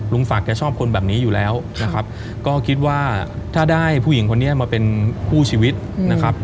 ศักดิ์แกชอบคนแบบนี้อยู่แล้วนะครับก็คิดว่าถ้าได้ผู้หญิงคนนี้มาเป็นคู่ชีวิตนะครับ